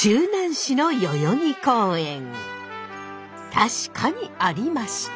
確かにありました。